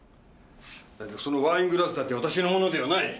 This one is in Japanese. そのワイングラスだって私のものではない。